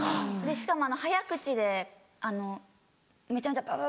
しかも早口でめちゃめちゃバババ！